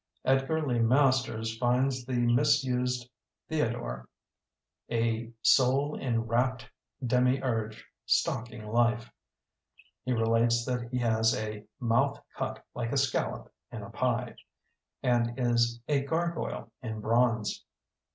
Edgar Lee Masters finds the mis used Theodore a "soul enrapt demi urge. . .stalking life". He relates that he has a "mouth cut like a scallop in a pie", and is "a gargoyle in bronze".